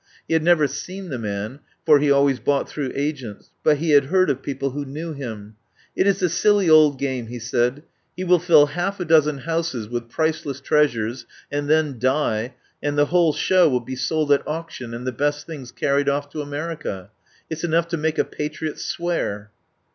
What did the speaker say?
He had never seen the man, for he always bought through agents, but he had heard of people who knew him. "It is the old silly game," he said. "He will fill half a dozen houses with priceless treas ures, and then die, and the whole show will be sold at auction and the best things carried off to America. It's enough to make a patriot swear."